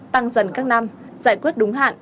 tăng dần các năm giải quyết đúng hạn